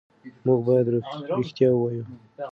موږ باید رښتیا ووایو.